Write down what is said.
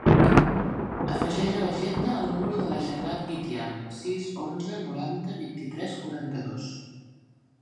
Afegeix a l'agenda el número de la Jannat Guitian: sis, onze, noranta, vint-i-tres, quaranta-dos.